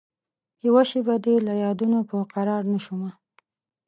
یوه شېبه دي له یادونوپه قرارنه شومه